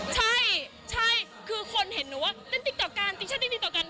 ใช่คือคนเห็นหนูว่าเต้นติ๊กต๊อกกัน